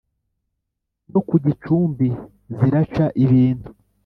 No ku gicumbi ziraca ibintu .